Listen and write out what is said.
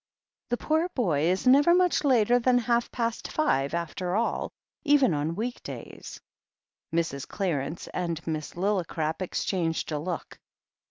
"The poor boy is never much later than half past five, after all, even on week days." Mrs. Clarence and Miss Lillicrap exchanged a look.